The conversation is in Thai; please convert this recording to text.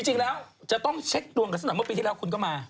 จริงแล้วจะต้องเช็คตัวเมื่อปีที่แล้วคุณก็มา